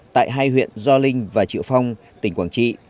tại hai huyện gio linh và triệu phong tỉnh quảng trị